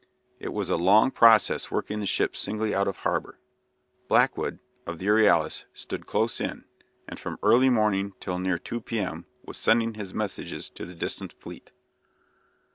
It was a long process working the ships singly out of harbour. Blackwood, of the "Euryalus," stood close in, and from early morning till near 2 p.m. was sending his messages to the distant fleet.